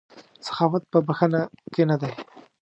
سخاوت په بښنه کې نه دی.